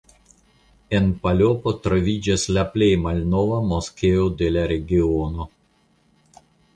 En Palopo troviĝas la plej malnova moskeo de la regiono.